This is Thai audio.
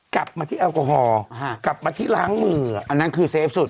กลับมาที่แอลกอฮอล์กลับมาที่ล้างมืออันนั้นคือเซฟสุด